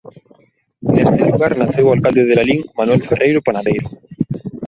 Neste lugar naceu o alcalde de Lalín Manuel Ferreiro Panadeiro.